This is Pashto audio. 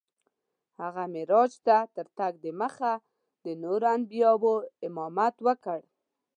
هغه معراج ته تر تګ دمخه د نورو انبیاوو امامت وکړ.